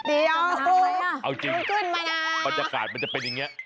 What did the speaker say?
เดี๋ยวเอาจริงมานานบรรยากาศมันจะเป็นอย่างเงี้